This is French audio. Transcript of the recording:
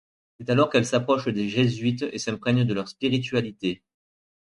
C'est alors qu'elle s'approche des jésuites et s'imprègne de leur spiritualité.